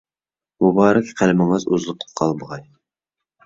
مۇبارەك قەلىمىڭىز ئۈزۈلۈپ قالمىغاي.